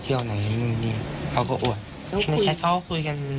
เต็มเนื้อแล้วดูกลัวเฟ้นบ้านหลังตอนนี้